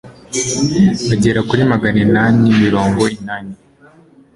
bagera kuri maganinani mirongo inani